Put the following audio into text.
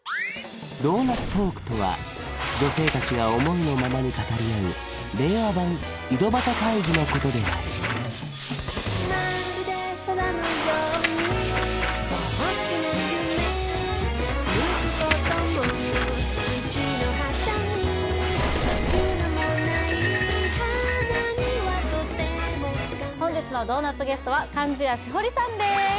ドーナツトークとは女性達が思いのままに語り合う令和版井戸端会議のことである本日のドーナツゲストは貫地谷しほりさんです